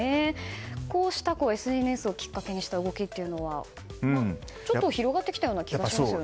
こうしたＳＮＳをきっかけにした動きというのは広がってきたような気がしますね。